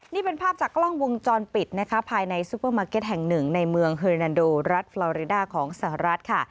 นี่เป็นภาพจากกล้องวงจรปิดนะคะภายในซุปเปอร์มาร์เก็ตแห่งหนึ่งในเมืองเฮอนันโดรัฐฟลอริดาของสหรัฐค่ะ